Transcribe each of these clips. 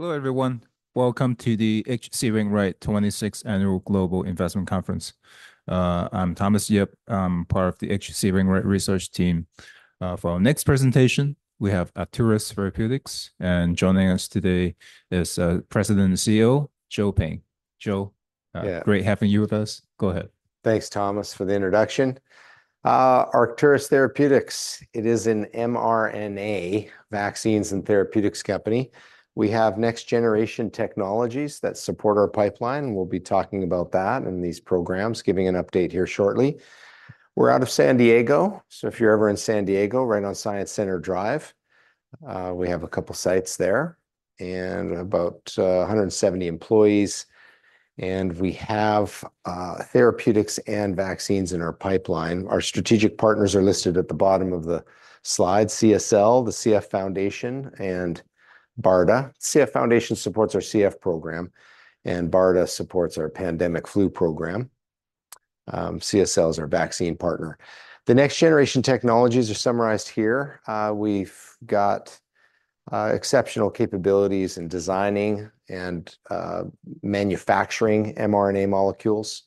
Hello, everyone. Welcome to the H.C. Wainwright 26th Annual Global Investment Conference. I'm Thomas Yip. I'm part of the H.C. Wainwright research team. For our next presentation, we have Arcturus Therapeutics, and joining us today is President and CEO, Joe Payne. Yeah. Great having you with us. Go ahead. Thanks, Thomas, for the introduction. Arcturus Therapeutics, it is an mRNA vaccines and therapeutics company. We have next-generation technologies that support our pipeline, and we'll be talking about that in these programs, giving an update here shortly. We're out of San Diego, so if you're ever in San Diego, right on Science Center Drive, we have a couple sites there and about 170 employees, and we have therapeutics and vaccines in our pipeline. Our strategic partners are listed at the bottom of the slide: CSL, the CF Foundation, and BARDA. CF Foundation supports our CF program, and BARDA supports our pandemic flu program. CSL is our vaccine partner. The next-generation technologies are summarized here. We've got exceptional capabilities in designing and manufacturing mRNA molecules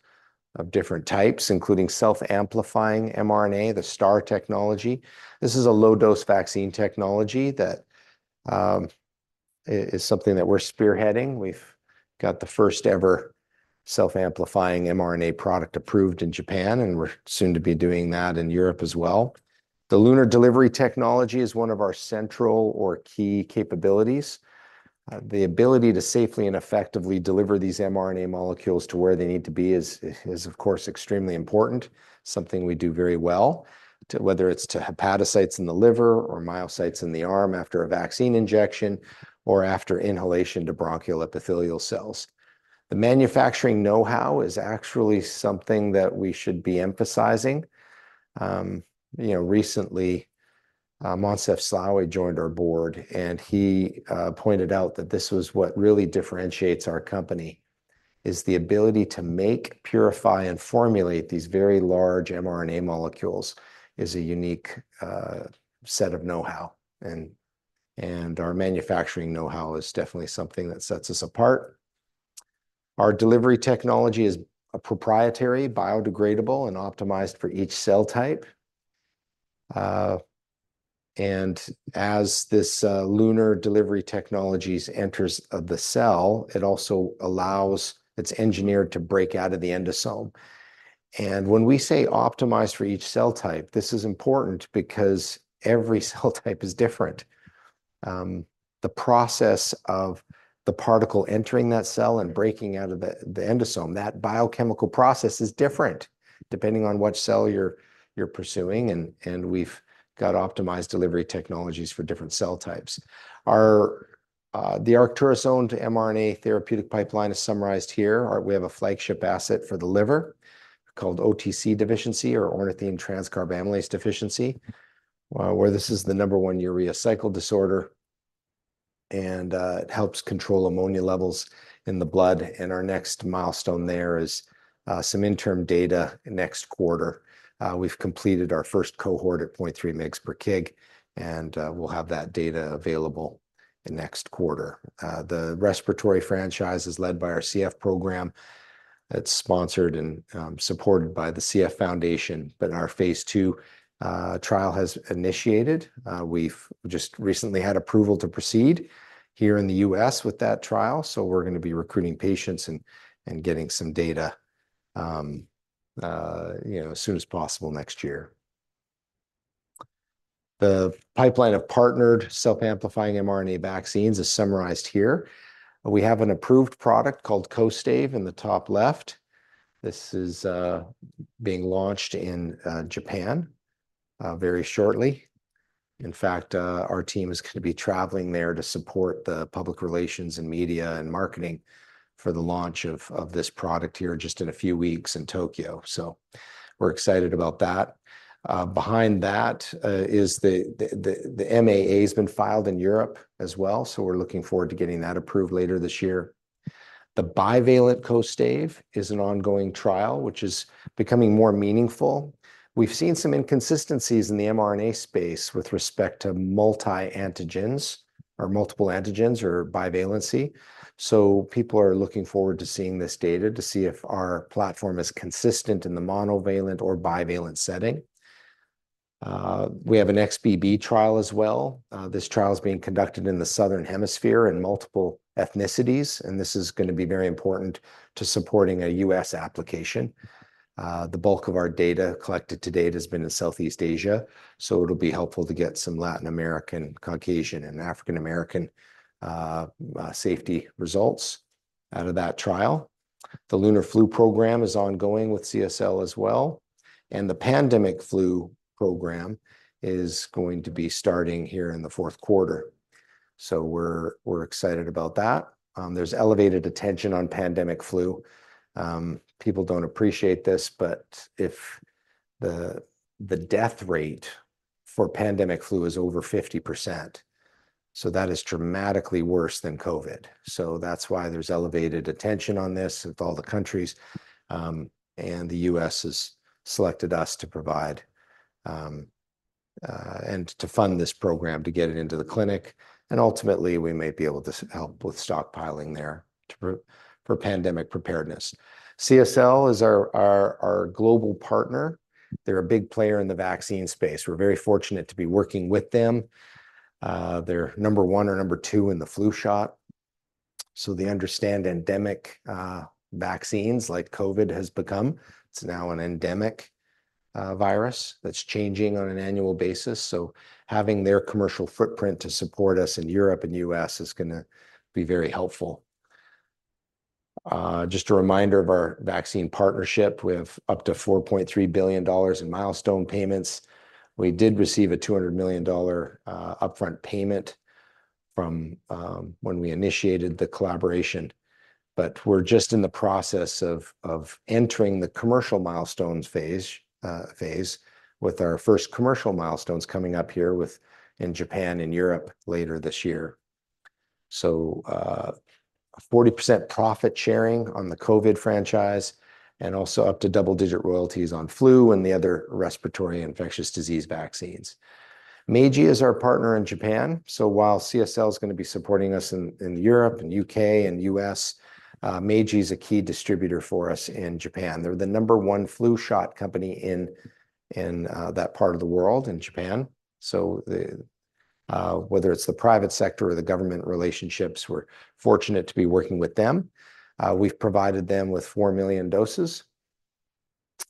of different types, including self-amplifying mRNA, the STARR technology. This is a low-dose vaccine technology that is something that we're spearheading. We've got the first-ever self-amplifying mRNA product approved in Japan, and we're soon to be doing that in Europe as well. The LUNAR delivery technology is one of our central or key capabilities. The ability to safely and effectively deliver these mRNA molecules to where they need to be is, of course, extremely important, something we do very well, to whether it's to hepatocytes in the liver or myocytes in the arm after a vaccine injection, or after inhalation to bronchial epithelial cells. The manufacturing know-how is actually something that we should be emphasizing. You know, recently, Moncef Slaoui joined our board, and he pointed out that this was what really differentiates our company, is the ability to make, purify, and formulate these very large mRNA molecules, is a unique set of know-how, and our manufacturing know-how is definitely something that sets us apart. Our delivery technology is a proprietary, biodegradable, and optimized for each cell type. And as this LUNAR delivery technologies enters the cell, it also allows. It's engineered to break out of the endosome. And when we say optimized for each cell type, this is important because every cell type is different. The process of the particle entering that cell and breaking out of the endosome, that biochemical process is different depending on what cell you're pursuing, and we've got optimized delivery technologies for different cell types. The Arcturus-owned mRNA therapeutic pipeline is summarized here. We have a flagship asset for the liver called OTC deficiency or ornithine transcarbamylase deficiency, where this is the number one urea cycle disorder, and it helps control ammonia levels in the blood, and our next milestone there is some interim data next quarter. We've completed our first cohort at 0.3 mg per kg, and we'll have that data available in next quarter. The respiratory franchise is led by our CF program. It's sponsored and supported by the CF Foundation, but our phase II trial has initiated. We've just recently had approval to proceed here in the U.S. with that trial, so we're gonna be recruiting patients and getting some data, you know, as soon as possible next year. The pipeline of partnered self-amplifying mRNA vaccines is summarized here. We have an approved product called Kostaive in the top left. This is being launched in Japan very shortly. In fact, our team is gonna be traveling there to support the public relations and media and marketing for the launch of this product here just in a few weeks in Tokyo. So we're excited about that. Behind that is the MAA has been filed in Europe as well, so we're looking forward to getting that approved later this year. The bivalent Kostaive is an ongoing trial, which is becoming more meaningful. We've seen some inconsistencies in the mRNA space with respect to multi-antigens or multiple antigens or bivalency, so people are looking forward to seeing this data to see if our platform is consistent in the monovalent or bivalent setting. We have an XBB trial as well. This trial is being conducted in the Southern Hemisphere in multiple ethnicities, and this is gonna be very important to supporting a US application. The bulk of our data collected to date has been in Southeast Asia, so it'll be helpful to get some Latin American, Caucasian, and African American safety results out of that trial. The LUNAR flu program is ongoing with CSL as well, and the pandemic flu program is going to be starting here in the fourth quarter. So we're excited about that. There's elevated attention on pandemic flu. People don't appreciate this, but if the death rate for pandemic flu is over 50%, so that is dramatically worse than COVID. So that's why there's elevated attention on this with all the countries, and the U.S. has selected us to provide, and to fund this program, to get it into the clinic, and ultimately, we may be able to help with stockpiling there for pandemic preparedness. CSL is our global partner. They're a big player in the vaccine space. We're very fortunate to be working with them. They're number one or number two in the flu shot, so they understand endemic vaccines, like COVID has become. It's now an endemic virus that's changing on an annual basis, so having their commercial footprint to support us in Europe and U.S. is gonna be very helpful. Just a reminder of our vaccine partnership with up to $4.3 billion in milestone payments. We did receive a $200 million upfront payment from when we initiated the collaboration, but we're just in the process of entering the commercial milestones phase with our first commercial milestones coming up here in Japan and Europe later this year. So, 40% profit sharing on the COVID franchise, and also up to double-digit royalties on flu and the other respiratory infectious disease vaccines. Meiji is our partner in Japan, so while CSL is gonna be supporting us in Europe and U.K. and U.S., Meiji is a key distributor for us in Japan. They're the number one flu shot company in that part of the world, in Japan. So, whether it's the private sector or the government relationships, we're fortunate to be working with them. We've provided them with four million doses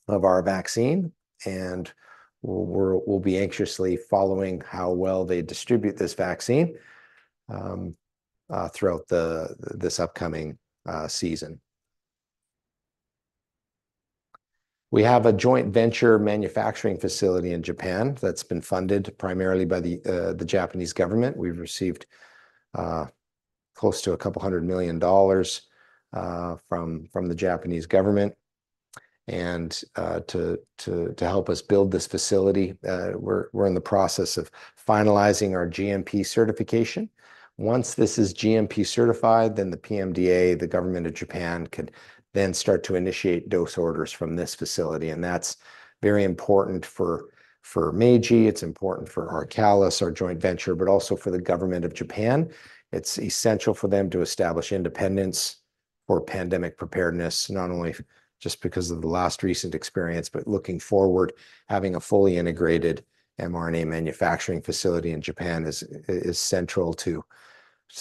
of our vaccine, and we'll be anxiously following how well they distribute this vaccine throughout this upcoming season. We have a joint venture manufacturing facility in Japan that's been funded primarily by the Japanese government. We've received close to $200 million from the Japanese government to help us build this facility. We're in the process of finalizing our GMP certification. Once this is GMP-certified, then the PMDA, the government of Japan, can then start to initiate dose orders from this facility, and that's very important for Meiji. It's important for Arcalis, our joint venture, but also for the government of Japan. It's essential for them to establish independence for pandemic preparedness, not only just because of the last recent experience, but looking forward, having a fully integrated mRNA manufacturing facility in Japan is central to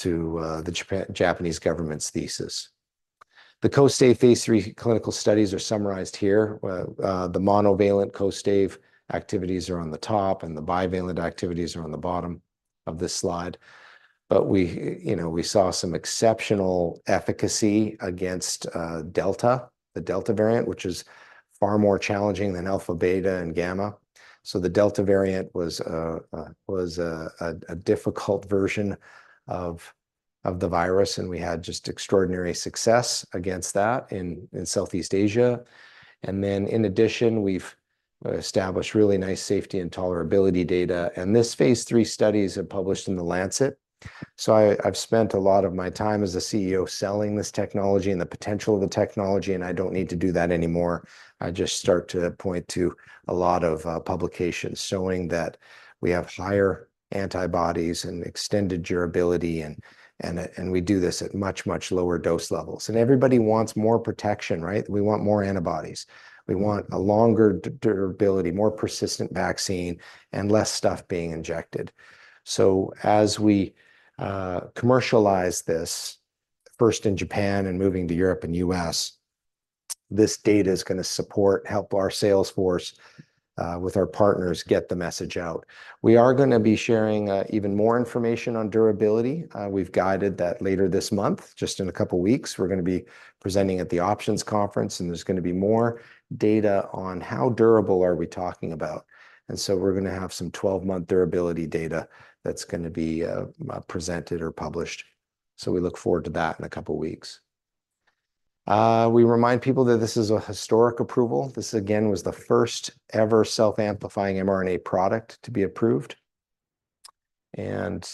the Japanese government's thesis. The Kostaive phase III clinical studies are summarized here. The monovalent Kostaive activities are on the top, and the bivalent activities are on the bottom of this slide. But we, you know, we saw some exceptional efficacy against Delta, the Delta variant, which is far more challenging than Alpha, Beta, and Gamma. So the Delta variant was a difficult version of the virus, and we had just extraordinary success against that in Southeast Asia. And then, in addition, we've established really nice safety and tolerability data, and this phase III studies are published in The Lancet. So I, I've spent a lot of my time as a CEO selling this technology and the potential of the technology, and I don't need to do that anymore. I just start to point to a lot of publications showing that we have higher antibodies and extended durability and we do this at much, much lower dose levels. And everybody wants more protection, right? We want more antibodies. We want a longer durability, more persistent vaccine, and less stuff being injected. So as we commercialize this, first in Japan and moving to Europe and U.S., this data is gonna support, help our sales force with our partners, get the message out. We are gonna be sharing even more information on durability. We've guided that later this month. Just in a couple weeks, we're gonna be presenting at the Options conference, and there's gonna be more data on how durable are we talking about, and so we're gonna have some twelve-month durability data that's gonna be presented or published, so we look forward to that in a couple weeks. We remind people that this is a historic approval. This, again, was the first ever self-amplifying mRNA product to be approved, and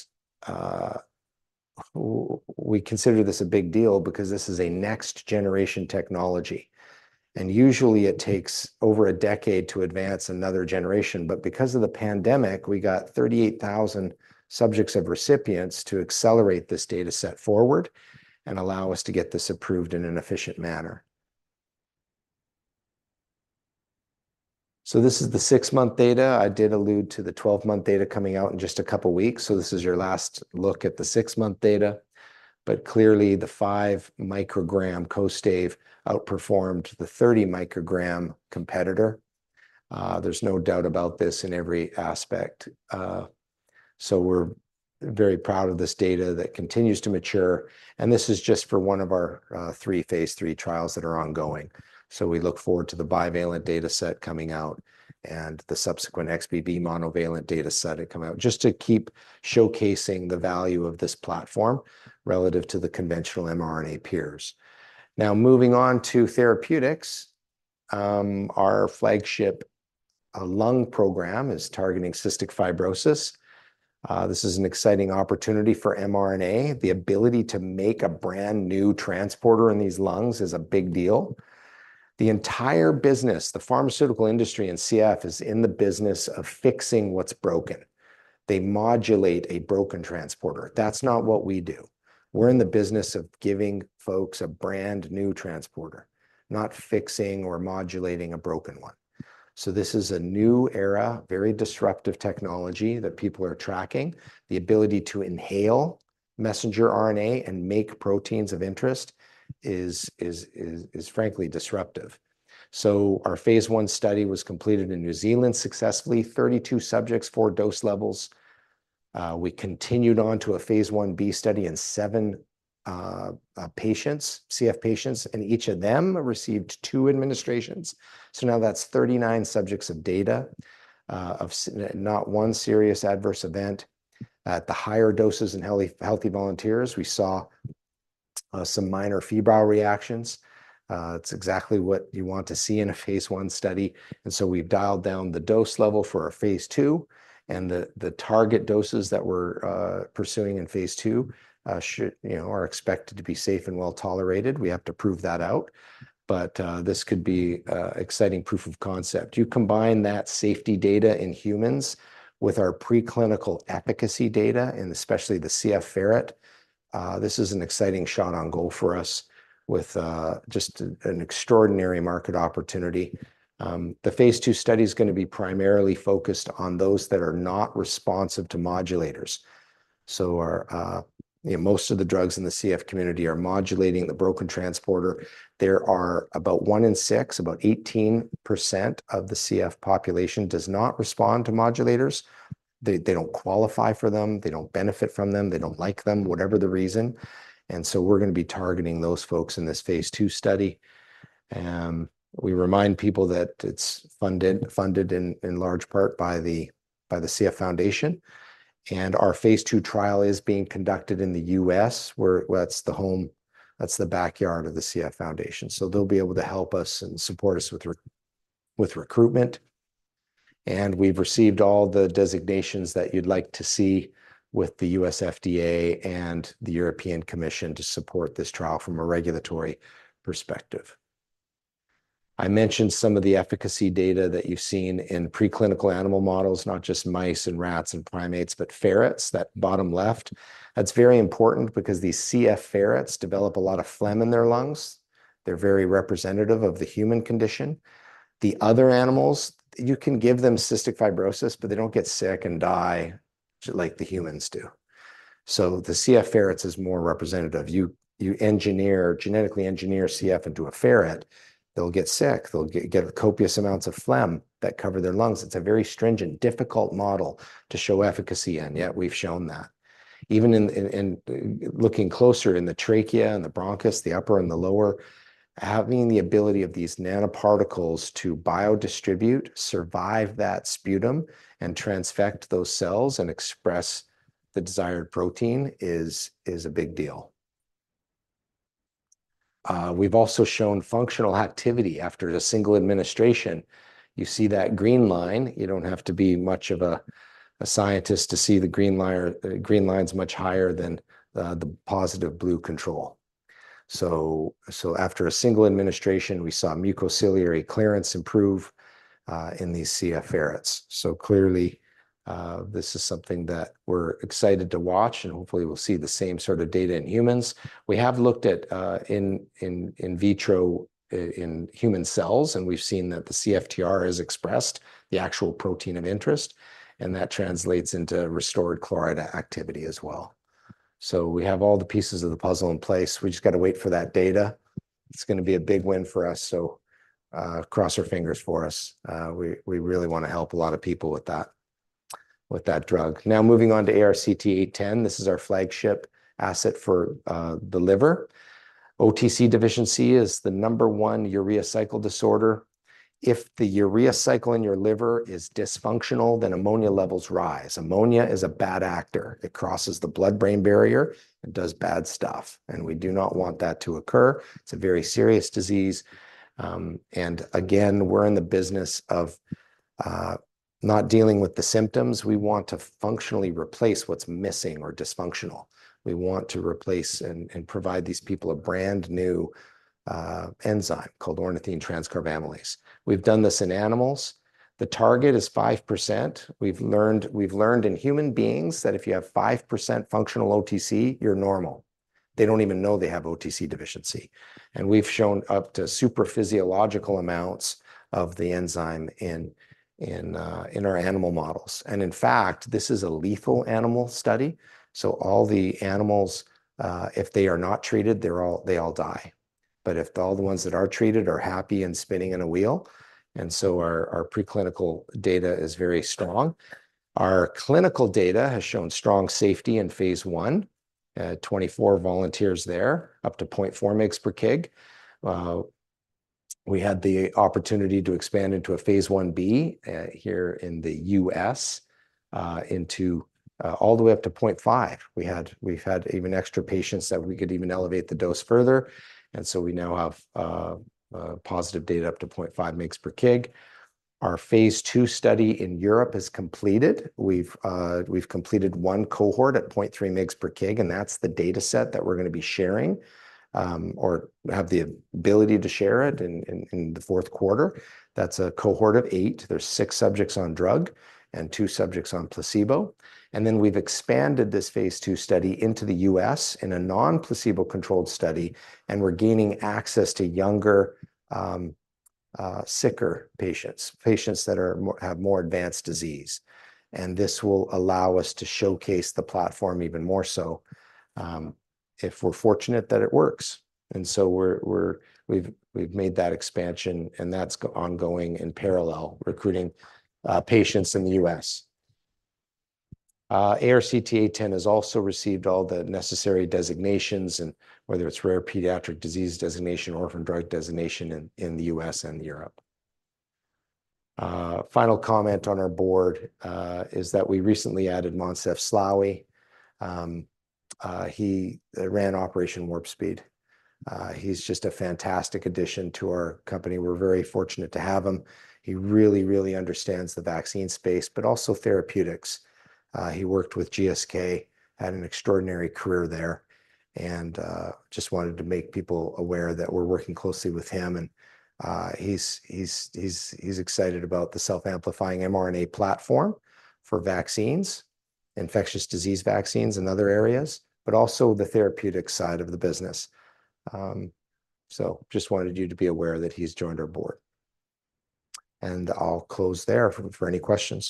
we consider this a big deal because this is a next-generation technology, and usually it takes over a decade to advance another generation. But because of the pandemic, we got thirty-eight thousand subjects of recipients to accelerate this data set forward and allow us to get this approved in an efficient manner. So this is the six-month data. I did allude to the twelve-month data coming out in just a couple weeks, so this is your last look at the six-month data. But clearly, the five microgram Kostaive outperformed the thirty microgram competitor. There's no doubt about this in every aspect. So we're very proud of this data that continues to mature, and this is just for one of our three phase III trials that are ongoing. So we look forward to the bivalent data set coming out and the subsequent XBB monovalent data set to come out, just to keep showcasing the value of this platform relative to the conventional mRNA peers. Now, moving on to therapeutics, our flagship lung program is targeting cystic fibrosis. This is an exciting opportunity for mRNA. The ability to make a brand-new transporter in these lungs is a big deal. The entire business, the pharmaceutical industry and CF is in the business of fixing what's broken. They modulate a broken transporter. That's not what we do. We're in the business of giving folks a brand-new transporter, not fixing or modulating a broken one. This is a new era, very disruptive technology that people are tracking. The ability to inhale messenger RNA and make proteins of interest is frankly disruptive. Our phase I study was completed in New Zealand successfully, 32 subjects, four dose levels. We continued on to a phase Ib study in seven patients, CF patients, and each of them received two administrations. Now that's 39 subjects of data, not one serious adverse event. At the higher doses in healthy volunteers, we saw some minor febrile reactions. That's exactly what you want to see in a phase I study, and so we've dialed down the dose level for our phase II, and the target doses that we're pursuing in phase II should, you know, are expected to be safe and well-tolerated. We have to prove that out, but this could be exciting proof of concept. You combine that safety data in humans with our preclinical efficacy data, and especially the CF ferret, this is an exciting shot on goal for us with just an extraordinary market opportunity. The phase II study is gonna be primarily focused on those that are not responsive to modulators, so our, you know, most of the drugs in the CF community are modulating the broken transporter. There are about one in six, about 18% of the CF population does not respond to modulators. They, they don't qualify for them, they don't benefit from them, they don't like them, whatever the reason, and so we're gonna be targeting those folks in this phase II study. We remind people that it's funded in large part by the CF Foundation. And our phase II trial is being conducted in the U.S., where that's the home, that's the backyard of the CF Foundation. So they'll be able to help us and support us with recruitment. And we've received all the designations that you'd like to see with the U.S. FDA and the European Commission to support this trial from a regulatory perspective. I mentioned some of the efficacy data that you've seen in preclinical animal models, not just mice, and rats, and primates, but ferrets. That bottom left, that's very important because these CF ferrets develop a lot of phlegm in their lungs. They're very representative of the human condition. The other animals, you can give them cystic fibrosis, but they don't get sick and die like the humans do. So the CF ferrets is more representative. You engineer, genetically engineer CF into a ferret, they'll get sick. They'll get copious amounts of phlegm that cover their lungs. It's a very stringent, difficult model to show efficacy, and yet we've shown that. Even in looking closer in the trachea and the bronchus, the upper and the lower, having the ability of these nanoparticles to biodistribute, survive that sputum, and transfect those cells, and express the desired protein is a big deal. We've also shown functional activity after a single administration. You see that green line? You don't have to be much of a scientist to see the green line. The green line's much higher than the positive blue control. So after a single administration, we saw mucociliary clearance improve in these CF ferrets. So clearly, this is something that we're excited to watch, and hopefully, we'll see the same sort of data in humans. We have looked at in vitro in human cells, and we've seen that the CFTR has expressed the actual protein of interest, and that translates into restored chloride activity as well. So we have all the pieces of the puzzle in place. We just gotta wait for that data. It's gonna be a big win for us, so cross your fingers for us. We really wanna help a lot of people with that drug. Now, moving on to ARCT-810. This is our flagship asset for the liver. OTC deficiency is the number one urea cycle disorder. If the urea cycle in your liver is dysfunctional, then ammonia levels rise. Ammonia is a bad actor. It crosses the blood-brain barrier and does bad stuff, and we do not want that to occur. It's a very serious disease. Again, we're in the business of not dealing with the symptoms. We want to functionally replace what's missing or dysfunctional. We want to replace and provide these people a brand-new enzyme called ornithine transcarbamylase. We've done this in animals. The target is 5%. We've learned in human beings that if you have 5% functional OTC, you're normal. They don't even know they have OTC deficiency. And we've shown up to super physiological amounts of the enzyme in our animal models. And in fact, this is a lethal animal study, so all the animals if they are not treated, they all die. But if all the ones that are treated are happy and spinning in a wheel, and so our preclinical data is very strong. Our clinical data has shown strong safety in phase I, 24 volunteers there, up to 0.4 mg per kg. We had the opportunity to expand into a phase Ib, here in the US, into all the way up to 0.5. We've had even extra patients that we could even elevate the dose further, and so we now have positive data up to 0.5 mg per kg. Our phase II study in Europe is completed. We've completed one cohort at 0.3 mg per kg, and that's the data set that we're gonna be sharing, or have the ability to share it in the fourth quarter. That's a cohort of eight. There's six subjects on drug and two subjects on placebo. And then we've expanded this phase II study into the U.S. in a non-placebo-controlled study, and we're gaining access to younger, sicker patients, patients that are more advanced, have more advanced disease. And this will allow us to showcase the platform even more so, if we're fortunate that it works. And so we've made that expansion, and that's ongoing in parallel, recruiting patients in the U.S. ARCT-810 has also received all the necessary designations, and whether it's rare pediatric disease designation, orphan drug designation in the U.S. and Europe. Final comment on our board is that we recently added Moncef Slaoui. He ran Operation Warp Speed. He's just a fantastic addition to our company. We're very fortunate to have him. He really, really understands the vaccine space, but also therapeutics. He worked with GSK, had an extraordinary career there, and just wanted to make people aware that we're working closely with him, and he's excited about the self-amplifying mRNA platform for vaccines, infectious disease vaccines, and other areas, but also the therapeutic side of the business. Just wanted you to be aware that he's joined our board. I'll close there for any questions.